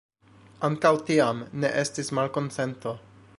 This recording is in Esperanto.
Ankaŭ tiam ne estis malkonsento.